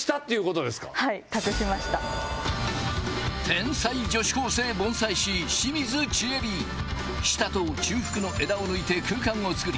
天才女子高生盆栽師・清水ちえり下と中腹の枝を抜いて空間を作り